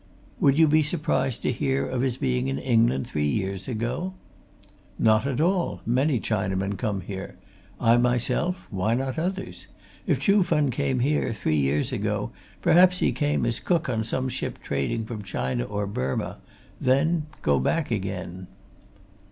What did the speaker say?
"Would you be surprised to hear of his being in England three years ago?" "Not at all. Many Chinamen come here. I myself why not others? If Chuh Fen came here, three years ago, perhaps he came as cook on some ship trading from China or Burma. Then go back again."